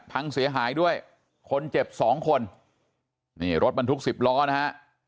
พังเสียหายด้วยคนเจ็บสองคนนี่รถบรรทุกสิบล้อนะฮะ